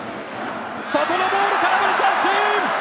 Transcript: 外のボール、空振り三振！